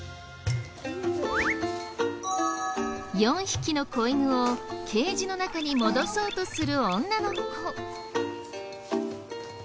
４匹の子犬をケージの中に戻そうとする女の子。